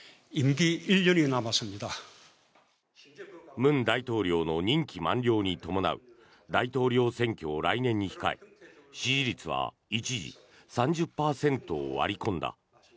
文大統領の任期満了に伴う大統領選挙を来年に控え支持率は一時３０％を割り込んだ。